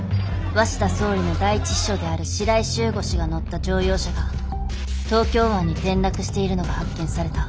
鷲田総理の第一秘書である白井柊吾氏が乗った乗用車が東京湾に転落しているのが発見された。